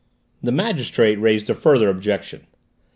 The magistrate raised a further objection.